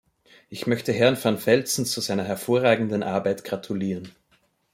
Ich möchte Herrn van Velzen zu seiner hervorragenden Arbeit gratulieren.